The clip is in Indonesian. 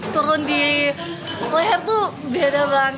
turun di leher tuh beda banget